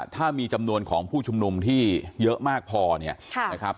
ถ้ามีจำนวนของผู้ชุมนุมที่เยอะมากพอเนี่ยนะครับ